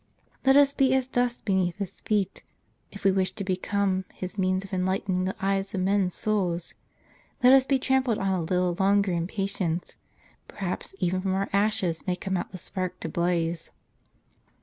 Let us be as dust beneath His feet, if we wish to become His means of enlightening the eyes of men's souls. Let us be trampled on a little longer in patience ; perhaps even from our ashes may come out the spark to blaze."